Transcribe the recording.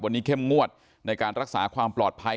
วันนี้เข้มงวดในการรักษาความปลอดภัย